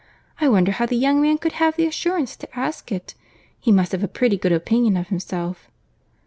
I wonder how the young man could have the assurance to ask it. He must have a pretty good opinion of himself."